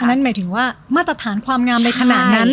อันหน้าหมายถึงว่ามาตรฐานความงามได้ขนาดนั้น